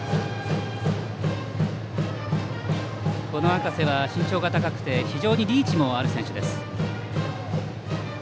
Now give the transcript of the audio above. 赤瀬は身長が高くて非常にリーチもある選手です。